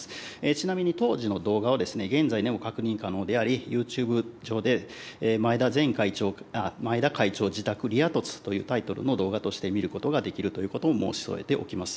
ちなみに当時の動画は、現在でも確認可能であり、ユーチューブ上で前田会長自宅リア凸というタイトルの動画として見ることができるということも申し添えておきます。